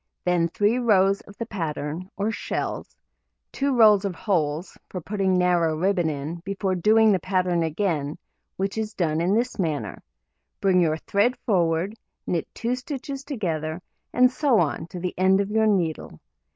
Then 3 rows of the pattern, or shells, 2 rows of holes (for putting narrow ribbon in) before doing the pattern again, which is done in this manner: bring your thread forward, knit 2 stitches together, and so on to the end of your needle.